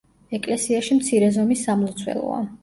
ეკლესიაში მცირე ზომის სამლოცველოა.